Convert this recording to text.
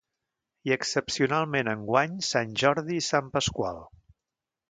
I excepcionalment enguany sant Jordi i sant Pasqual.